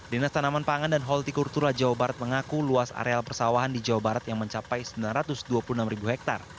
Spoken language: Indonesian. dinas tanaman pangan dan holti kultura jawa barat mengaku luas areal persawahan di jawa barat yang mencapai sembilan ratus dua puluh enam hektare